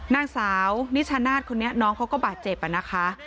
นางสาวนิชานาศคนนี้น้องเขาก็บาดเจ็บนะคะ